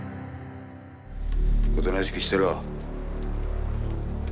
おとなしくしてろ。